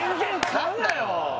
買うなよ